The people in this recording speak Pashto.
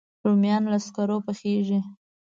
رومیان له سکرو پخېږي